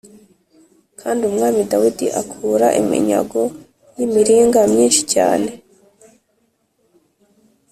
Kandi Umwami Dawidi akura iminyago y’imiringa myinshi cyane